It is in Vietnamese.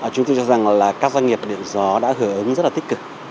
chúng tôi cho rằng là các doanh nghiệp điện gió đã hưởng ứng rất là tích cực